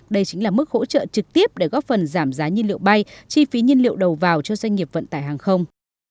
đây chính là mức hỗ trợ trực tiếp để góp phần giảm giá nhiên liệu bay chi phí nhiên liệu đầu vào cho doanh nghiệp vận tải hàng không